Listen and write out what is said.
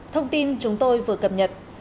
thông tin chúng tôi vừa cập nhật